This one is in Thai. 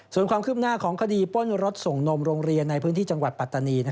ส่วนความคืบหน้าของคดีป้นรถส่งนมโรงเรียนในพื้นที่จังหวัดปัตตานี